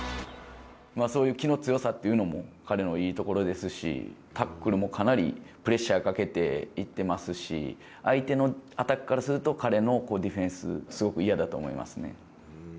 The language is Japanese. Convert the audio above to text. そういう気の強さっていうのも、彼のいいところですし、タックルもかなりプレッシャーかけていってますし、相手のアタックからすると、彼のディフェンス、すごく嫌だと思いますね。